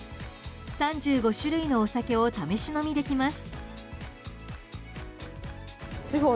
３５種類のお酒を試し飲みできます。